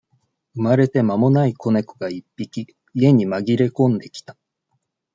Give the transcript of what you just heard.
生まれて間もない子猫が一匹、家に紛れ込んできた。